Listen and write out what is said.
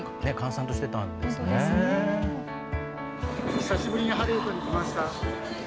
久しぶりにハリウッドに来ました。